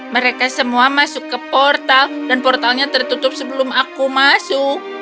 mereka semua masuk ke portal dan portalnya tertutup sebelum aku masuk